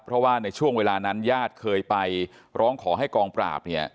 เพราะว่าในช่วงเวลานั้นญาติเคยไปร้องขอให้กองปราบเนี่ย